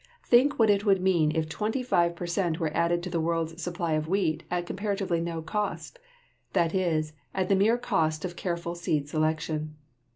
Think what it would mean if twenty five per cent were added to the world's supply of wheat at comparatively no cost; that is, at the mere cost of careful seed selection.